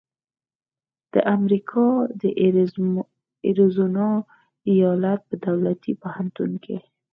د امریکا د اریزونا ایالت په دولتي پوهنتون کې